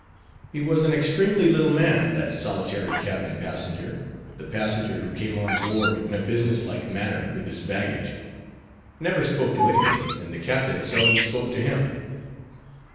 He was an extremely little man, that solitary cabin passenger—the passenger who came on board in a business like manner with his baggage; never spoke to any one, and the captain seldom spoke to him.